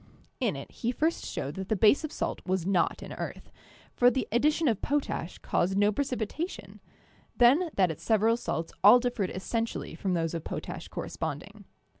In it he first showed that the base of salt was not an earth, for the addition of potash caused no precipitation, then that its several salts all differed essentially from those of potash corresponding.